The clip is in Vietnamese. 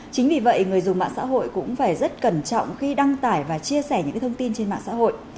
chính vì vậy người dùng mạng xã hội cũng phải rất cẩn trọng khi đăng tải và chia sẻ những thông tin trên mạng xã hội